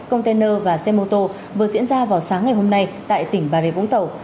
container và xe mô tô vừa diễn ra vào sáng ngày hôm nay tại tỉnh bà rê vũng tàu